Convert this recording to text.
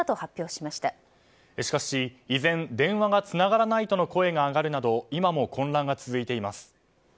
しかし依然、電話がつながらないとの声が上がるなど今も混乱が続いてます。